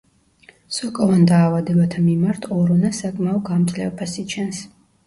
სოკოვან დაავადებათა მიმართ ორონა საკმაო გამძლეობას იჩენს.